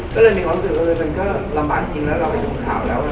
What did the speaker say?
ก็เลยมีความรู้สึกว่ามันก็ลำบากจริงแล้วเราไปดูข่าวแล้ว